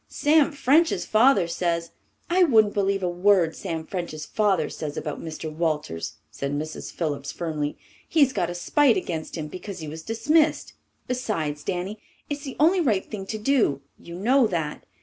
Sam French's father says " "I wouldn't believe a word Sam French's father says about Mr. Walters!" said Mrs. Phillips firmly. "He's got a spite against him because he was dismissed. Besides, Danny, it's the only right thing to do. You know that.